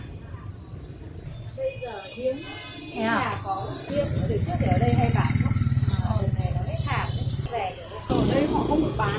bây giờ hiếm nhà có hiếm ở đây trước thì ở đây hay cả hồi này là hết hàng